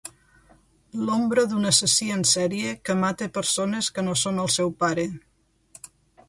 L'ombra d'un assassí en sèrie que mata persones que no són el seu pare.